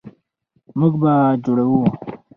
موږ به جوړوو.